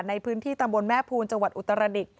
ในพื้นที่ตำบลแม่ภูลจังหวัดอุตรดิษฐ